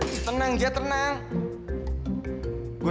dia mah memang gak akan sudah cukup